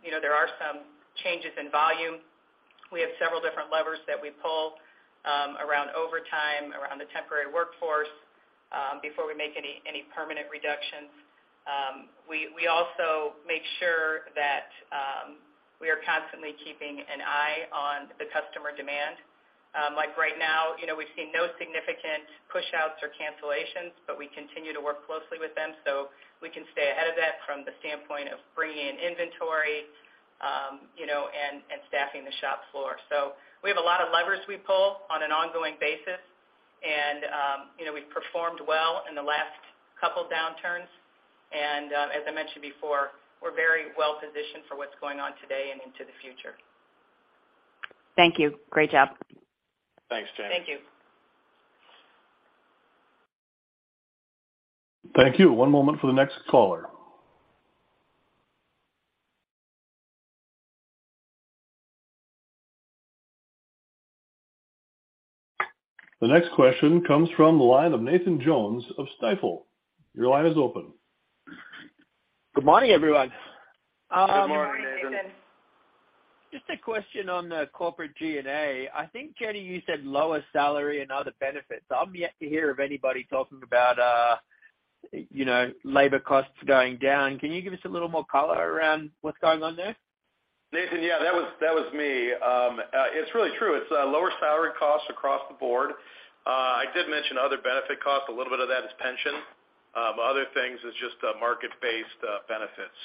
you know, there are some changes in volume. We have several different levers that we pull around overtime, around the temporary workforce before we make any permanent reductions. We, we also make sure that we are constantly keeping an eye on the customer demand. Like right now, you know, we've seen no significant push-outs or cancellations, but we continue to work closely with them, so we can stay ahead of that from the standpoint of bringing in inventory, you know, and staffing the shop floor. We have a lot of levers we pull on an ongoing basis. You know, we've performed well in the last 2 downturns. As I mentioned before, we're very well positioned for what's going on today and into the future. Thank you. Great job. Thanks, Jamie. Thank you. Thank you. One moment for the next caller. The next question comes from the line of Nathan Jones of Stifel. Your line is open. Good morning, everyone. Good morning, Nathan. Good morning, Nathan. Just a question on the corporate G&A. I think, Jenny, you said lower salary and other benefits. I'm yet to hear of anybody talking about, you know, labor costs going down. Can you give us a little more color around what's going on there? Nathan, yeah, that was me. It's really true. It's lower salary costs across the board. I did mention other benefit costs. A little bit of that is pension. Other things is just market-based benefits.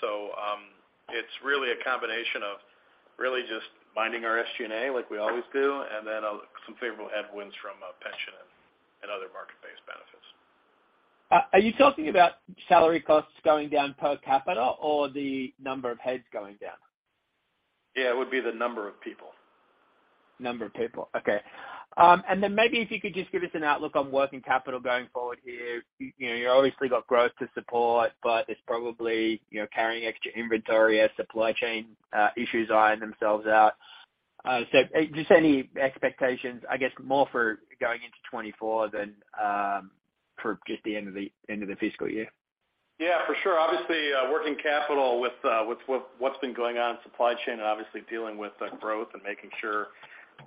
It's really a combination of really just minding our SG&A like we always do, then some favorable headwinds from pension and other market-based benefits. Are you talking about salary costs going down per capita or the number of heads going down? Yeah, it would be the number of people. Number of people. Okay. Maybe if you could just give us an outlook on working capital going forward here. You know, you obviously got growth to support, but it's probably, you know, carrying extra inventory as supply chain issues iron themselves out. Just any expectations, I guess, more for going into 2024 than for just the end of the fiscal year. Yeah, for sure. Obviously, working capital with what's been going on in supply chain and obviously dealing with the growth and making sure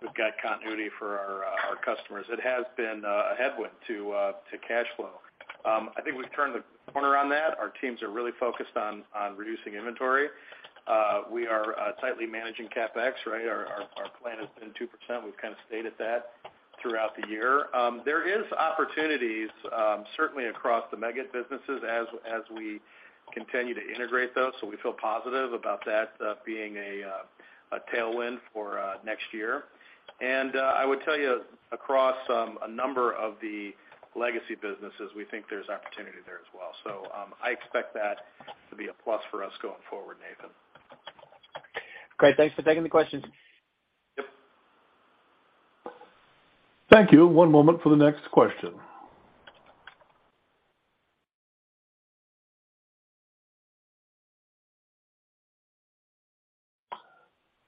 we've got continuity for our customers, it has been a headwind to cash flow. I think we've turned the corner on that. Our teams are really focused on reducing inventory. We are tightly managing CapEx, right? Our plan has been 2%. We've kind of stayed at that throughout the year. There is opportunities, certainly across the Meggitt businesses as we continue to integrate those, so we feel positive about that being a tailwind for next year. I would tell you across a number of the legacy businesses, we think there's opportunity there as well. I expect that to be a plus for us going forward, Nathan. Great. Thanks for taking the questions. Yep. Thank you. One moment for the next question.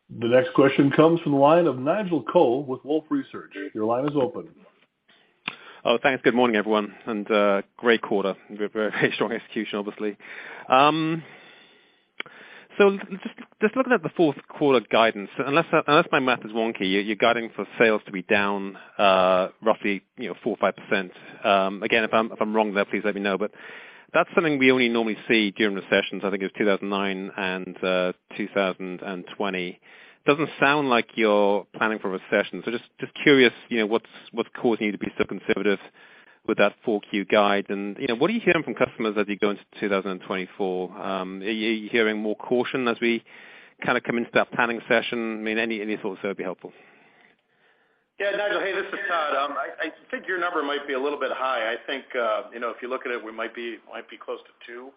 The next question comes from the line of Nigel Coe with Wolfe Research. Your line is open. Oh, thanks. Good morning, everyone. Great quarter. Very, very strong execution, obviously. Just looking at the fourth quarter guidance, unless my math is wonky, you're guiding for sales to be down, roughly, you know, 4% or 5%. Again, if I'm wrong there, please let me know. That's something we only normally see during recessions. I think it was 2009 and 2020. Doesn't sound like you're planning for a recession. Just curious, you know, what's causing you to be so conservative with that 4Q guide? You know, what are you hearing from customers as you go into 2024? Are you hearing more caution as we kind of come into that planning session? I mean, any thoughts there would be helpful. Yeah. Nigel, hey, this is Todd. I think your number might be a little bit high. I think, you know, if you look at it, we might be close to 2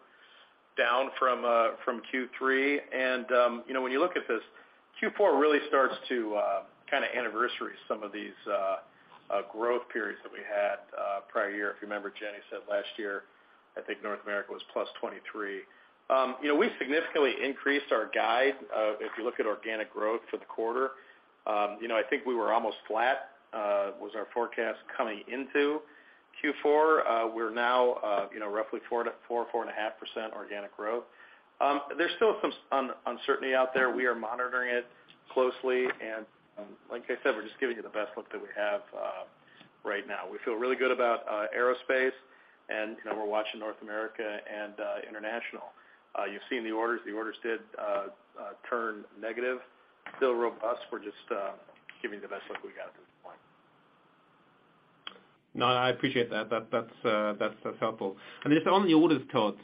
down from Q3. You know, when you look at this, Q4 really starts to kind of anniversary some of these growth periods that we had prior year. If you remember, Jenny said last year, I think North America was +23%. You know, we significantly increased our guide. If you look at organic growth for the quarter, you know, I think we were almost flat was our forecast coming into Q4. We're now, you know, roughly 4%-4.5% organic growth. There's still some uncertainty out there. We are monitoring it closely. Like I said, we're just giving you the best look that we have, right now. We feel really good about aerospace and, you know, we're watching North America and international. You've seen the orders. The orders did turn negative, still robust. We're just giving the best look we got at this point. No, I appreciate that. That, that's helpful. I mean, just on the orders, Todd,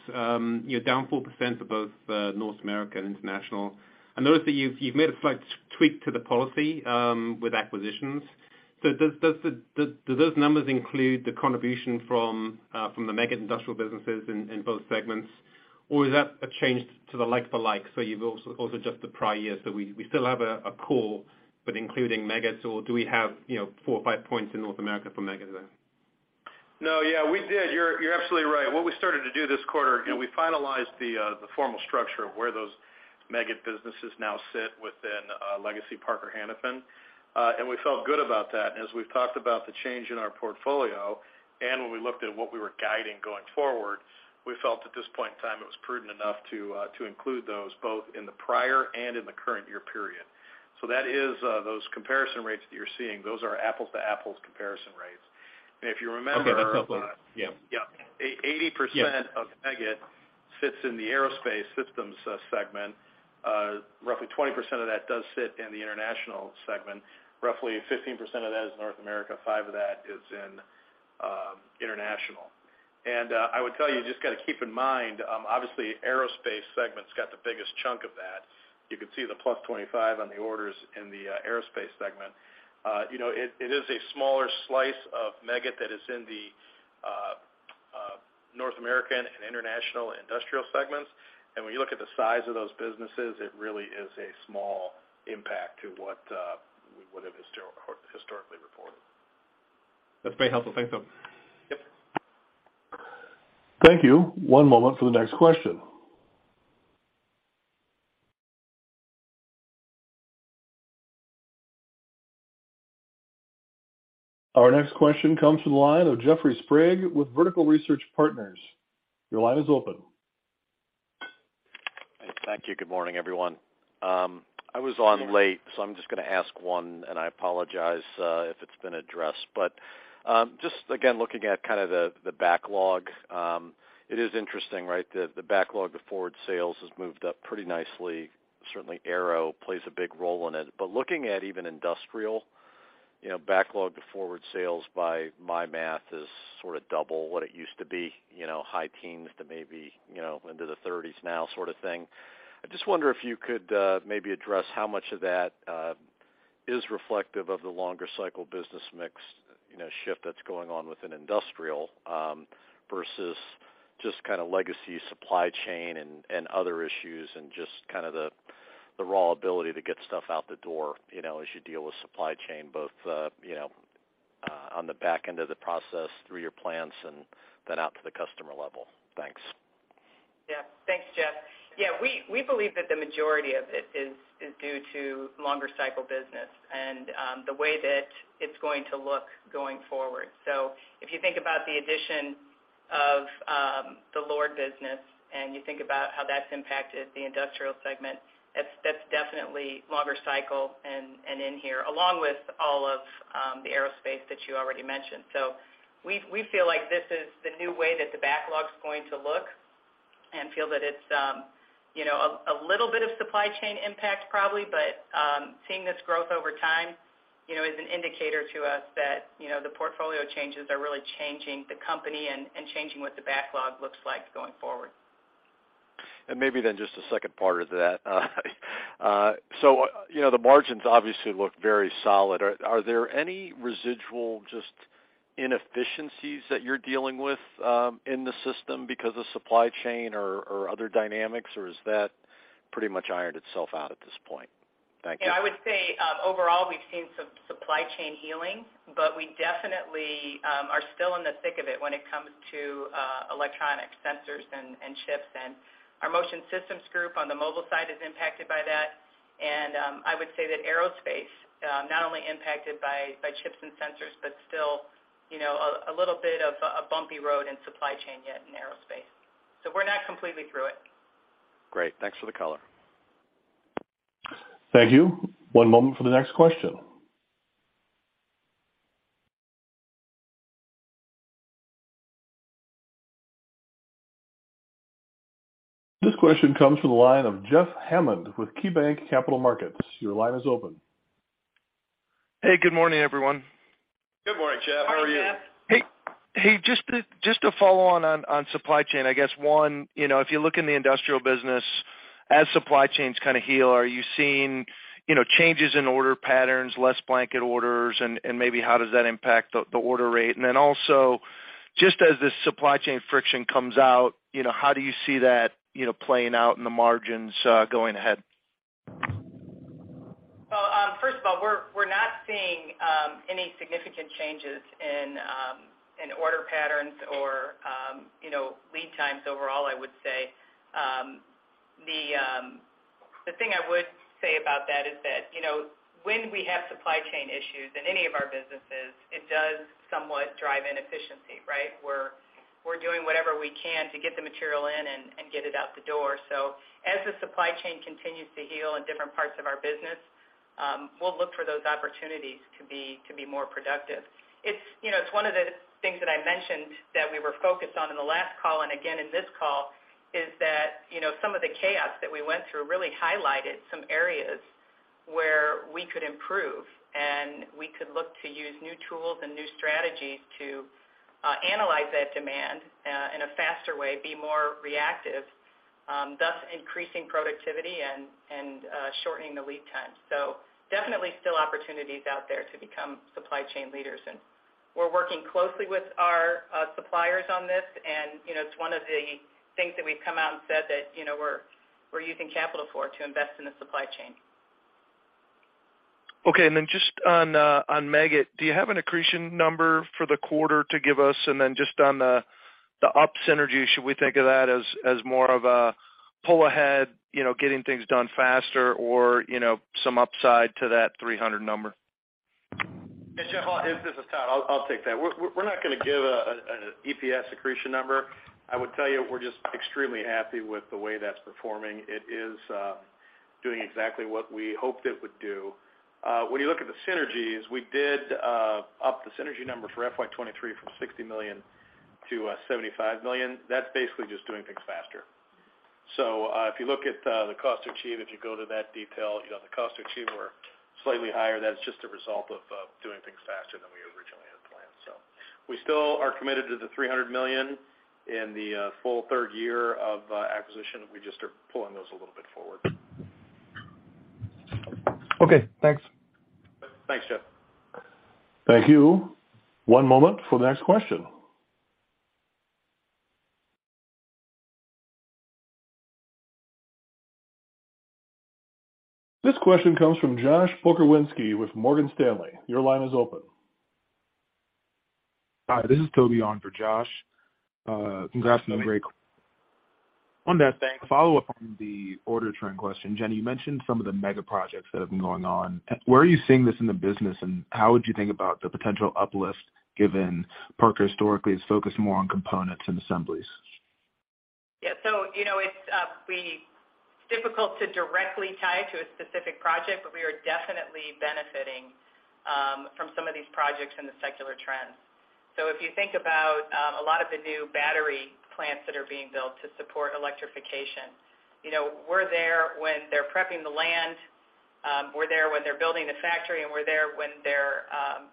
you're down 4% to both, North America and international. I noticed that you've made a slight tweak to the policy, with acquisitions. Do those numbers include the contribution from the Meggitt industrial businesses in both segments, or is that a change to the like-for-like, so you've also adjusted the prior years, so we still have a core, but including Meggitt, or do we have, you know, four or five points in North America for Meggitt then? No, yeah, we did. You're absolutely right. What we started to do this quarter, you know, we finalized the formal structure of where those Meggitt businesses now sit within legacy Parker-Hannifin. We felt good about that. As we've talked about the change in our portfolio, and when we looked at what we were guiding going forward, we felt at this point in time it was prudent enough to include those both in the prior and in the current year period. That is, those comparison rates that you're seeing, those are apples to apples comparison rates. If you remember- Okay. That's helpful. Yeah. Yeah. 80% of Meggitt sits in the Aerospace Systems segment. Roughly 20% of that does sit in the international segment. Roughly 15% of that is North America, 5 of that is in international. I would tell you just got to keep in mind, obviously Aerospace segment's got the biggest chunk of that. You can see the +25 on the orders in the Aerospace segment. You know, it is a smaller slice of Meggitt that is in the North American and international industrial segments. When you look at the size of those businesses, it really is a small impact to what we would have historically reported. That's very helpful. Thanks, Phil. Yep. Thank you. One moment for the next question. Our next question comes from the line of Jeffrey Sprague with Vertical Research Partners. Your line is open. Thank you. Good morning, everyone. I was on late, so I'm just gonna ask 1, and I apologize if it's been addressed. Just again, looking at kind of the backlog, it is interesting, right? The, the backlog to forward sales has moved up pretty nicely. Certainly, Aero plays a big role in it. Looking at even Industrial, you know, backlog to forward sales by my math is sort of double what it used to be, you know, high teens to maybe, you know, into the 30s now sort of thing. I just wonder if you could, maybe address how much of that is reflective of the longer cycle business mix, you know, shift that's going on within Industrial, versus just kind of legacy supply chain and other issues, and just kind of the raw ability to get stuff out the door, you know, as you deal with supply chain, both, you know, on the back end of the process through your plants and then out to the customer level. Thanks. Thanks, Jeff. We believe that the majority of it is due to longer cycle business and the way that it's going to look going forward. If you think about the addition of the LORD business, and you think about how that's impacted the Industrial segment, that's definitely longer cycle and in here, along with all of the Aerospace that you already mentioned. We feel like this is the new way that the backlog's going to look and feel that it's, you know, a little bit of supply chain impact probably, but seeing this growth over time, you know, is an indicator to us that, you know, the portfolio changes are really changing the company and changing what the backlog looks like going forward. Maybe then just a second part of that. You know, the margins obviously look very solid. Are there any residual just inefficiencies that you're dealing with in the system because of supply chain or other dynamics, or is that pretty much ironed itself out at this point? Thank you. Yeah, I would say overall, we've seen some supply chain healing, but we definitely are still in the thick of it when it comes to electronic sensors and chips. Our Motion Systems Group on the mobile side is impacted by that. I would say that Aerospace not only impacted by chips and sensors, but still, you know, a little bit of a bumpy road in supply chain yet in Aerospace. We're not completely through it. Great. Thanks for the color. Thank you. One moment for the next question. This question comes from the line of Jeff Hammond with KeyBanc Capital Markets. Your line is open. Hey, good morning, everyone. Good morning, Jeff. How are you? Morning, Jeff. Hey. Hey, just to follow on supply chain, I guess, one, you know, if you look in the Industrial business, as supply chains kind of heal, are you seeing, you know, changes in order patterns, less blanket orders, and maybe how does that impact the order rate? Then also, just as the supply chain friction comes out, you know, how do you see that, you know, playing out in the margins going ahead? Well, first of all, we're not seeing any significant changes in order patterns or, you know, lead times overall, I would say. The thing I would say about that is that, you know, when we have supply chain issues in any of our businesses, it does somewhat drive inefficiency, right? We're doing whatever we can to get the material in and get it out the door. As the supply chain continues to heal in different parts of our business, we'll look for those opportunities to be more productive. It's, you know, it's one of the things that I mentioned that we were focused on in the last call and again in this call, is that, you know, some of the chaos that we went through really highlighted some areas where we could improve, and we could look to use new tools and new strategies to analyze that demand in a faster way, be more reactive, thus increasing productivity and shortening the lead times. Definitely still opportunities out there to become supply chain leaders. We're working closely with our suppliers on this. You know, it's one of the things that we've come out and said that, you know, we're using capital for, to invest in the supply chain. Okay. Then just on Meggitt, do you have an accretion number for the quarter to give us? Then just on the The up synergy, should we think of that as more of a pull ahead, you know, getting things done faster or, you know, some upside to that 300 number? Yes, Jeff, this is Todd. I'll take that. We're not gonna give an EPS accretion number. I would tell you we're just extremely happy with the way that's performing. It is doing exactly what we hoped it would do. When you look at the synergies, we did up the synergy number for FY 2023 from $60 million to $75 million. That's basically just doing things faster. If you look at the cost to achieve, if you go to that detail, you know, the cost to achieve were slightly higher. That's just a result of doing things faster than we originally had planned. We still are committed to the $300 million in the full third year of acquisition. We just are pulling those a little bit forward. Okay, thanks. Thanks, Jeff. Thank you. One moment for the next question. This question comes from Josh Pokrzywinski with Morgan Stanley. Your line is open. Hi, this is Toby on for Josh. Hi. On that, thanks. Follow-up on the order trend question. Jenny, you mentioned some of the mega projects that have been going on. Where are you seeing this in the business, how would you think about the potential uplift, given Parker historically has focused more on components and assemblies? Yeah. you know, it's be difficult to directly tie to a specific project, but we are definitely benefiting from some of these projects and the secular trends. If you think about a lot of the new battery plants that are being built to support electrification, you know, we're there when they're prepping the land, we're there when they're building the factory, and we're there when they're,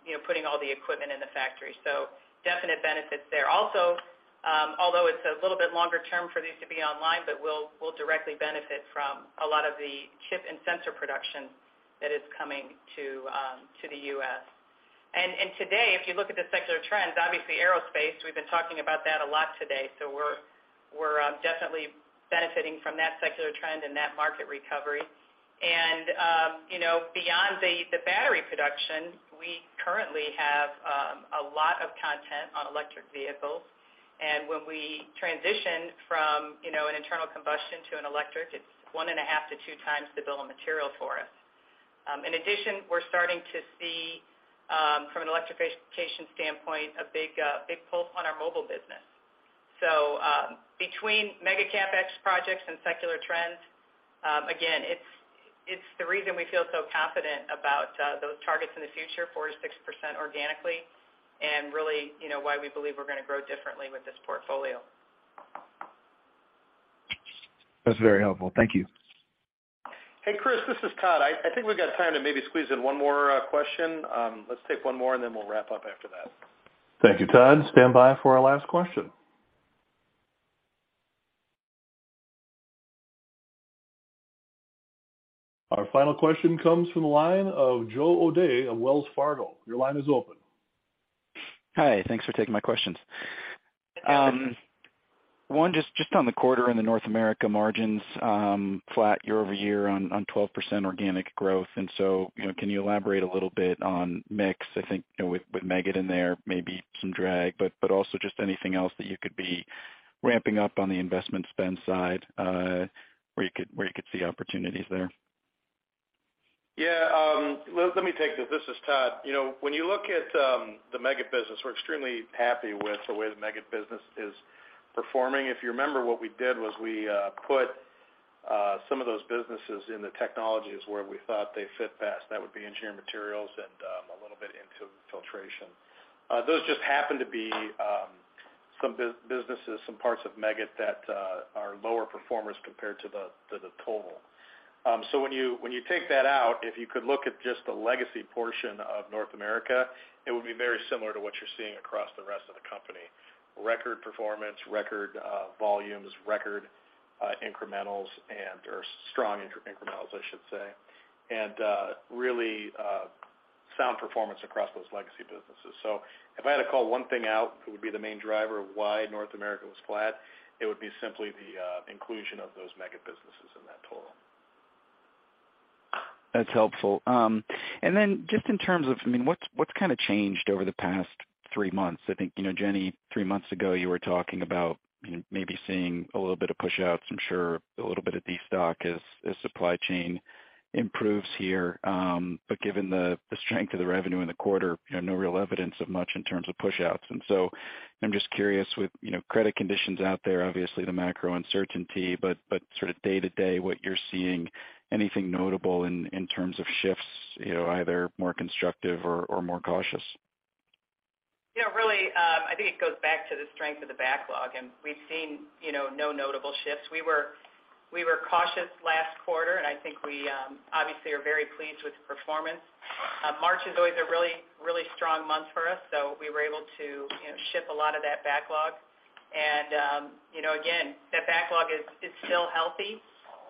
you know, putting all the equipment in the factory. Definite benefits there. Also, although it's a little bit longer term for these to be online, but we'll directly benefit from a lot of the chip and sensor production that is coming to the U.S. Today, if you look at the secular trends, obviously aerospace, we've been talking about that a lot today, so we're definitely benefiting from that secular trend and that market recovery. You know, beyond the battery production, we currently have a lot of content on electric vehicles. When we transition from, you know, an internal combustion to an electric, it's one and a half to two times the bill of material for us. In addition, we're starting to see from an electrification standpoint, a big pulse on our mobile business. Between mega CapEx projects and secular trends, again, it's the reason we feel so confident about those targets in the future, 4%-6% organically, and really, you know, why we believe we're gonna grow differently with this portfolio. That's very helpful. Thank you. Hey, Chris, this is Todd. I think we've got time to maybe squeeze in one more question. Let's take one more, and then we'll wrap up after that. Thank you, Todd. Stand by for our last question. Our final question comes from the line of Joe O'Dea of Wells Fargo. Your line is open. Hi. Thanks for taking my questions. One, just on the quarter in the North America margins, flat year-over-year on 12% organic growth. You know, can you elaborate a little bit on mix? I think, you know, with Meggitt in there, maybe some drag, but also just anything else that you could be ramping up on the investment spend side, where you could see opportunities there. Yeah, let me take this. This is Todd. You know, when you look at the Meggitt business, we're extremely happy with the way the Meggitt business is performing. If you remember, what we did was we put some of those businesses in the technologies where we thought they fit best. That would be engineered materials and a little bit into filtration. Those just happen to be some businesses, some parts of Meggitt that are lower performers compared to the total. When you take that out, if you could look at just the legacy portion of North America, it would be very similar to what you're seeing across the rest of the company. Record performance, record volumes, record incrementals and/or strong inter-incrementals, I should say, and really sound performance across those legacy businesses. If I had to call one thing out, it would be the main driver of why North America was flat, it would be simply the inclusion of those Meggitt businesses in that total. That's helpful. Then just in terms of, I mean, what's kind of changed over the past three months? I think, you know, Jenny, three months ago you were talking about maybe seeing a little bit of pushouts, I'm sure a little bit of destock as supply chain improves here. Given the strength of the revenue in the quarter, no real evidence of much in terms of pushouts. So I'm just curious with, you know, credit conditions out there, obviously the macro uncertainty, but sort of day-to-day what you're seeing, anything notable in terms of shifts, you know, either more constructive or more cautious? You know, really, I think it goes back to the strength of the backlog, and we've seen, you know, no notable shifts. We were cautious last quarter, and I think we obviously are very pleased with the performance. March is always a really strong month for us, so we were able to, you know, ship a lot of that backlog. You know, again, that backlog is still healthy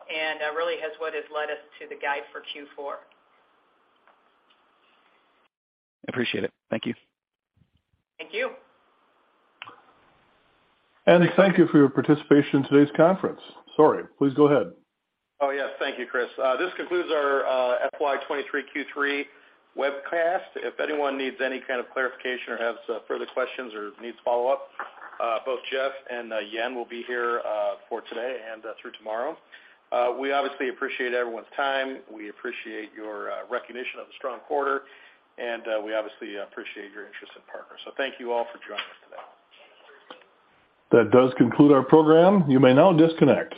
and really is what has led us to the guide for Q4. Appreciate it. Thank you. Thank you. Thank you for your participation in today's conference. Sorry, please go ahead. Oh, yes. Thank you, Chris. This concludes our FY 2023 Q3 webcast. If anyone needs any kind of clarification or has further questions or needs follow-up, both Jeff and Jen will be here for today and through tomorrow. We obviously appreciate everyone's time. We appreciate your recognition of the strong quarter, and we obviously appreciate your interest in Parker. Thank you all for joining us today. That does conclude our program. You may now disconnect.